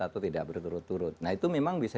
atau tidak berturut turut nah itu memang bisa